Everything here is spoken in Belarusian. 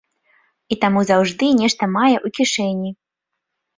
І таму заўжды нешта мае ў кішэні.